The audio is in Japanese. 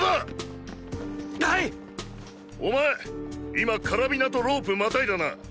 今カラビナとロープまたいだな。